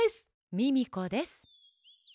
ミミコです！